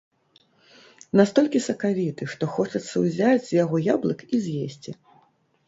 Настолькі сакавіты, што хочацца ўзяць з яго яблык і з'есці.